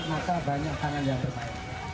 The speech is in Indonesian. maka banyak tangan yang berbahaya